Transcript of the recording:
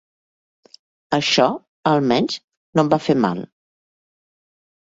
Això, almenys, no em va fer mal.